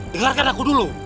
dengarkan aku dulu